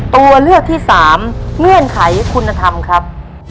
ตัวเลือกที่สามเงื่อนไขคุณธรรมครับ